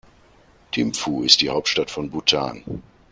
Thimphu ist die Hauptstadt von Bhutan.